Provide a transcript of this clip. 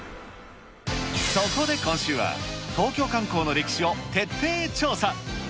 そこで今週は、東京観光の歴史を徹底調査。